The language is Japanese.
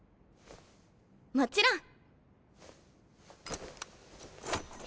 もちろん。